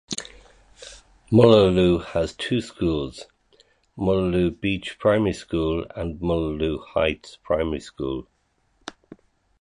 Mullaloo has two schools, Mullaloo Beach Primary School and Mullaloo Heights Primary School.